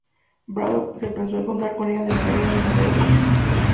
Braddock, se pensó en contar con ella de manera semi regular.